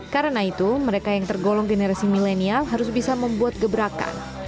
karena itu mereka yang tergolong generasi milenial harus bisa membuat gebrakan